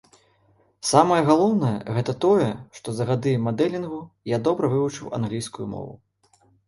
Самае галоўнае гэта тое, што за гады мадэлінгу я добра вывучыў англійскую мову.